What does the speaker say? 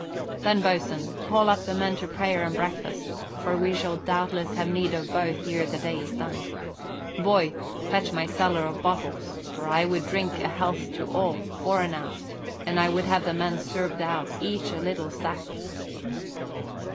"Then, boatswain, call up the men to prayer and breakfast, for we shall doubtless have need of both ere the day is done. Boy, fetch my cellar of bottles, for I would drink a health to all, fore and aft, and I would have the men served out each a little sack."